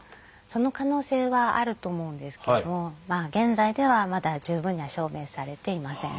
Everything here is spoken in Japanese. その可能性はあると思うんですけども現在ではまだ十分には証明されていません。